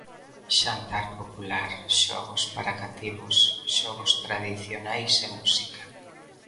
Xantar popular, xogos para cativos, xogos tradicionais e música.